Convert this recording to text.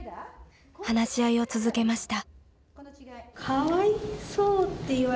話し合いを続けました。